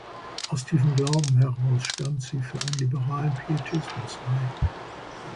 Aus tiefem Glauben heraus stand sie für einen liberalen Pietismus ein.